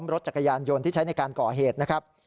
รถจักรยานยนต์ที่ใช้ในการก่อเหตุนะครับ